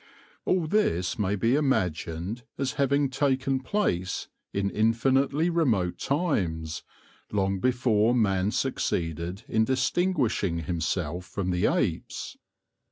All this may be imagined as having taken place in infinitely remote times, long before man succeeded in distinguishing himself from the apes.